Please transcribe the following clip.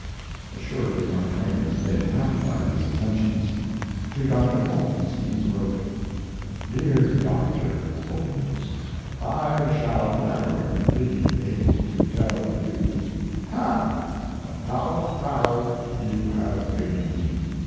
Assuredly Mark Twain was made happy by these attentions; to Dr. Holmes he wrote: DEAR DR. HOLMES, I shall never be able to tell you the half of how proud you have made me.